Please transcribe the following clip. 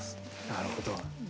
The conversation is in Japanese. なるほど。